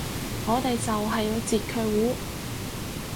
我哋就係要截佢糊